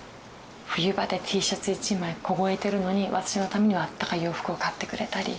冬場でＴシャツ一枚凍えてるのに私のためにはあったかい洋服を買ってくれたり。